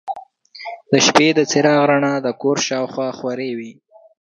د شپې د څراغ رڼا د کور شاوخوا خورې وه.